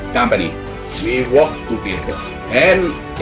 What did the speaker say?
kami bekerja bersama sama